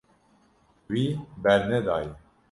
Wî bernedaye.